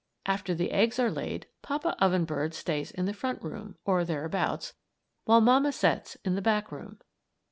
After the eggs are laid Papa Oven bird stays in the front room or thereabouts while mamma sets in the back room.